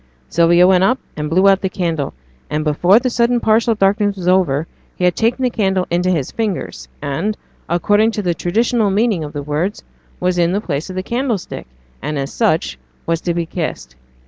Sylvia went up and blew out the candle, and before the sudden partial darkness was over he had taken the candle into his fingers, and, according to the traditional meaning of the words, was in the place of the candlestick, and as such was to be kissed.